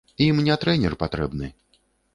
Ім не трэнер патрэбны.